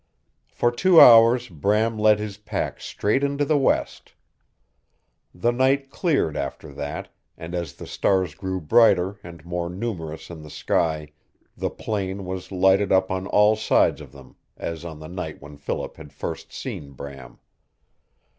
For two hours Bram led his pack straight into the west. The night cleared after that, and as the stars grew brighter and more numerous in the sky the plain was lighted up on all sides of them, as on the night when Philip had first seen Bram.